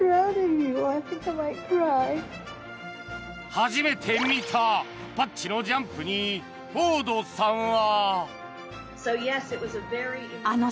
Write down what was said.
初めて見たパッチのジャンプにフォードさんは。